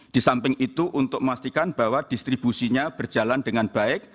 di samping itu untuk memastikan bahwa distribusinya berjalan dengan baik